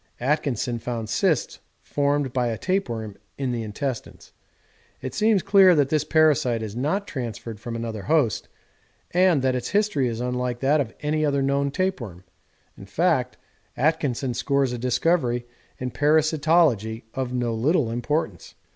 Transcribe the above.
Atkinson found cysts formed by a tapeworm in the intestines. It seems clear that this parasite is not transferred from another host, and that its history is unlike that of any other known tapeworm in fact, Atkinson scores a discovery in parasitology of no little importance.